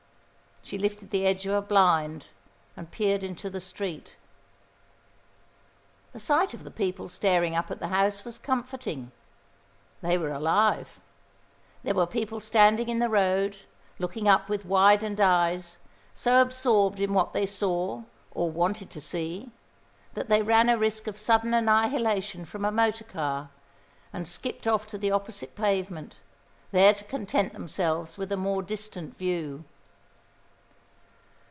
She lifted the edge of a blind and peered into the street. The sight of the people staring up at the house was comforting. They were alive. There were people standing in the road, looking up with widened eyes, so absorbed in what they saw, or wanted to see, that they ran a risk of sudden annihilation from a motor car, and skipped off to the opposite pavement, there to content themselves with a more distant view.